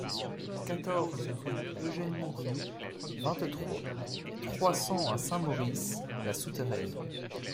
quatorze rue Eugène Mourioux, vingt-trois, trois cents à Saint-Maurice-la-Souterraine